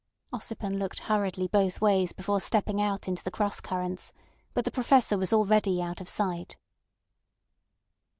Ossipon looked hurriedly both ways before stepping out into the cross currents, but the Professor was already out of sight.